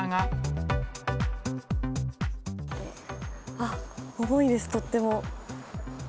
あっ、重いです、とっても。